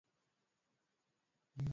Ugonjwa wa kizunguzungu kwa mbuzi na kondoo